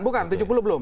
bukan tujuh puluh belum